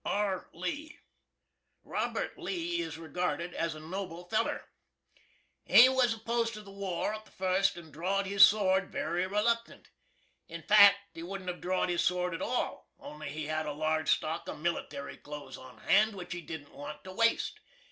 R. LEE. Robert Lee is regarded as a noble feller. He was opposed to the war at the fust, and draw'd his sword very reluctant. In fact, he wouldn't hav' drawd his sword at all, only he had a large stock of military clothes on hand, which he didn't want to waste.